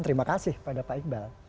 terima kasih pada pak iqbal